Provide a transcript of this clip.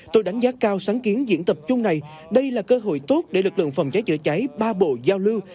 tôi đánh giá cao sáng kiến diễn tập chung này đây là cơ hội tốt để lực lượng phòng cháy chữa cháy ba bộ giao lưu